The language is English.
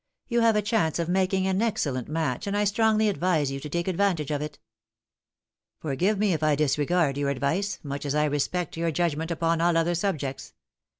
You have a chance of making an excellent match, and I strongly advise you to take advantage of it." " Forgive me if I disregard your advice, much as I respect your judgment upon all other subjects."